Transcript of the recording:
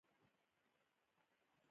کریم جنت د کرکټ په ملي لوبډلې غټ فشار راوړي